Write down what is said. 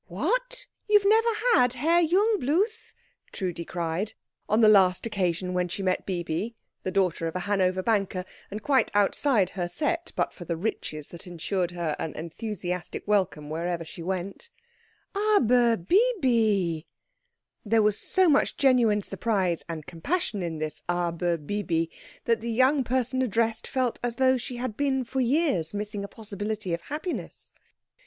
"What! You have never had Herr Jungbluth?" Trudi cried, on the last occasion on which she met Bibi, the daughter of a Hanover banker, and quite outside her set but for the riches that ensured her an enthusiastic welcome wherever she went, "aber Bibi!" There was so much genuine surprise and compassion in this "aber Bibi" that the young person addressed felt as though she had been for years missing a possibility of happiness.